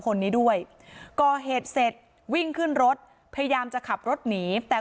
คนนี้ด้วยก่อเหตุเสร็จวิ่งขึ้นรถพยายามจะขับรถหนีแต่